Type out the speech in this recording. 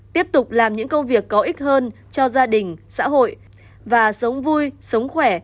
tiếp tục làm những công việc có ích hơn cho gia đình xã hội và sống vui sống khỏe